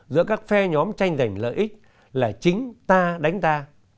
giữa các phe nhóm tranh giành lợi ích là chính ta đánh ta